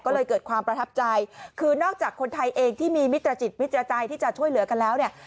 ก็เลยเกิดความประทับใจคือนอกจากคนไทยเองที่มีมิตรจิตมิตรใจที่จะช่วยเหลือกันแล้วเนี่ย